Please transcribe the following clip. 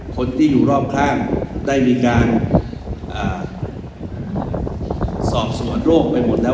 คนที่อยู่รอบข้างได้มีการสอบสวนโรคไปหมดแล้ว